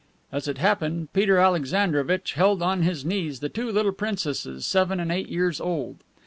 As it happened, Peter Alexandrovitch held on his knees the two little princesses, seven and eight years old.